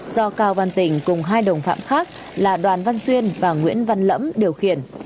do cao văn tình cùng hai đồng phạm khác là đoàn văn xuyên và nguyễn văn lẫm điều khiển